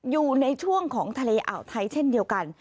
อยู่ในช่วงของทะเลอ่าวไทยเช่นเดียวกัน